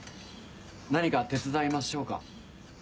何か手伝いましょうか？